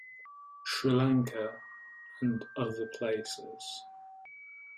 Sri Lanka, and "other places".